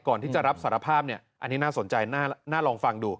ก่อนที่จะรับสารภาพเนี่ยอันนี้น่าสนใจน่าลองฟังดู